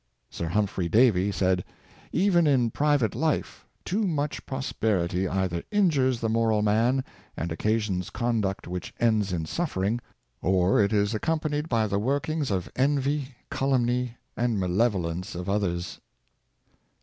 Sir Humphrey Davy said: " Even in private life, too much prosperity either injures the moral man, and oc casions conduct which ends in suffering, or it is accom panied by the workings of envy, calumny, and malevo lence of others."